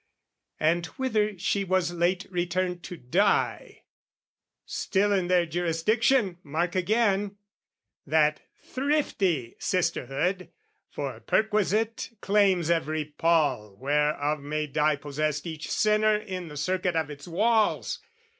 And whither she was late returned to die, Still in their jurisdiction, mark again! That thrifty Sisterhood, for perquisite, Claims every paul where of may die possessed Each sinner in the circuit of its walls.